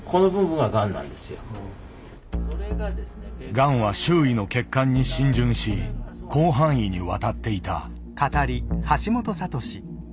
がんは周囲の血管に浸潤し広範囲に渡っていた。